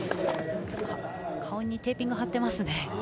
顔にテーピング貼ってますね。